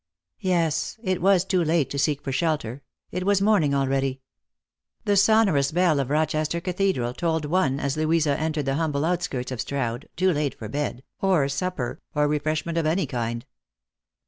Yes, it was too late to seek for shelter; it was morning already. The sonorous bell of Rochester Cathedral tolled one as Louisa entered the humble outskirts of Strood, too late for bed, for supper, or refreshment of any kind.